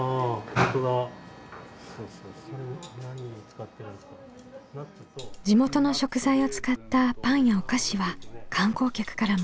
地元の食材を使ったパンやお菓子は観光客からも大人気。